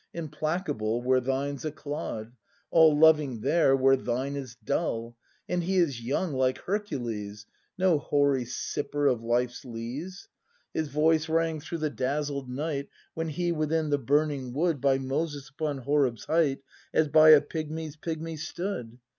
Implacable where thine's a clod, All loving there, where thine is dull; And He is young like Hercules, No hoary sipper of life's lees! His voice rang through the dazzled night When He, within the burning wood. By Moses upon Horeb's height As by a pigmy's pigmy stood.